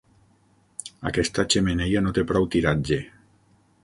Aquesta xemeneia no té prou tiratge.